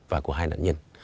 và của hai nạn nhân